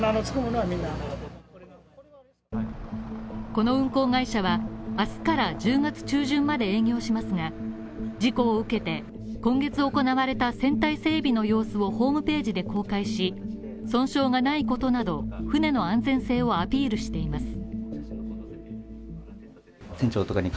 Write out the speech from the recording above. この運航会社は明日から１０月中旬まで営業しますが、事故を受けて今月行われた船体整備の様子をホームページで公開し、損傷がないことなど、船の安全性をアピールしています。